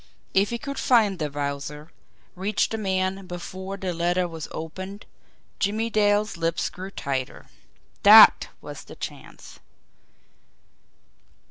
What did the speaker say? If he could find the Wowzer, reach the man BEFORE THE LETTER WAS OPENED Jimmie Dale's lips grew tighter. THAT was the chance!